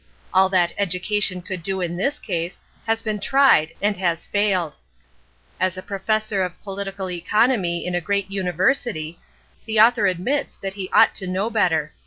All that education could do in this case has been tried and has failed. As a Professor of Political Economy in a great university, the author admits that he ought to know better.